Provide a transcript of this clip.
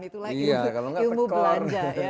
itu lagi ilmu belanja